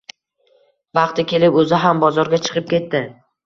Vaqti kelib oʻzi ham bozorga chiqib ketdi.